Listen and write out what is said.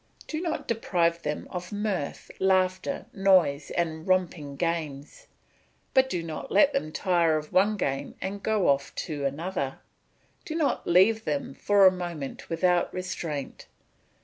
Do not deprive them of mirth, laughter, noise, and romping games, but do not let them tire of one game and go off to another; do not leave them for a moment without restraint.